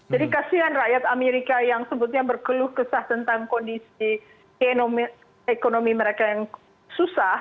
jadi kasihan rakyat amerika yang sebutnya berkeluh kesah tentang kondisi ekonomi mereka yang susah